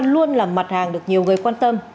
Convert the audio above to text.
luôn là mặt hàng được nhiều người quan tâm